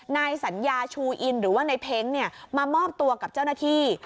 นายสัญญาชูอินหรือว่าในเพ้งมามอบตัวกับเจ้าหน้าที่